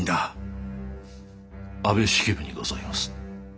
安部式部にございます。